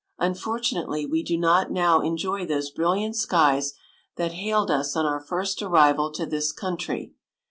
Unfortunately we do not now enjoy those brilliant skies that hailed us on our first arrival to this country.